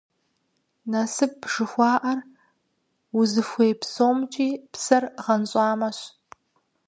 Насып жыхуаӀэр узыхуей псомкӀи псэр гъэнщӀамэщ.